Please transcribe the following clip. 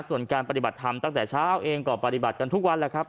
ส่วนการปฏิบัติธรรมตั้งแต่เช้าเองก็ปฏิบัติกันทุกวันแล้วครับ